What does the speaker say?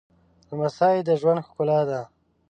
لمسی د ژوند ښکلا ده